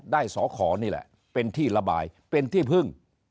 สอขอนี่แหละเป็นที่ระบายเป็นที่พึ่ง